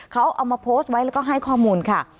เขาเอามาโพสต์ไว้แล้วก็ให้ข้อมูลค่ะ